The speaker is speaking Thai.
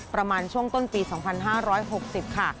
ประมาณช่วงต้นปี๒๕๖๐ค่ะ